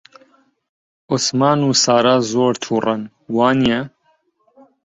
عوسمان و سارا زۆر تووڕەن، وانییە؟